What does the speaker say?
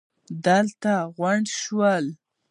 دلته غونډه وشوه